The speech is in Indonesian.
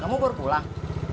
kamu baru pulang